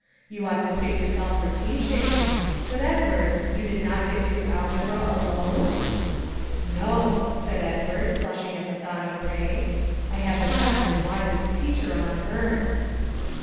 "You ought to fit yourself for teaching. But, Edward, you did not get through algebra alone?" "No," said Edward, flushing at the thought of Ray; "I had the best and wisest teacher on earth."